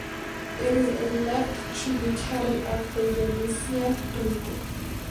It is a left tributary of the Yenisei River.